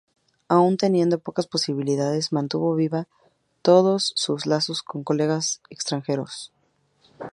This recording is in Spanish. Aún teniendo pocas posibilidades, mantuvo viva todos sus lazos con sus colegas extranjeros.